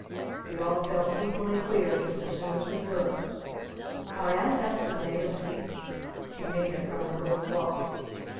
We all felt equally queer just as soon as we could. Our Aunt Esta made a speech. She made it from her little book.